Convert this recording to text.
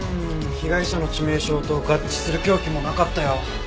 被害者の致命傷と合致する凶器もなかったよ。